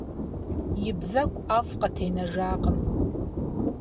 И бзэгу ӀэфӀ къытенэжакъым.